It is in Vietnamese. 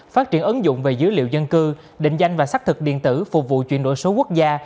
phát triển ứng dụng về dữ liệu dân cư định danh và xác thực điện tử phục vụ chuyển đổi số quốc gia